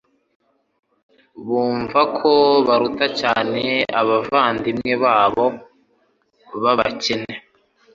Bumva ko baruta cyane abavandimwe babo b'abakene.